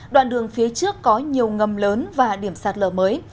đoạn đường phía trước có nhiều ngầm lớn và điểm sạt lở mới